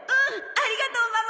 ありがとうママ。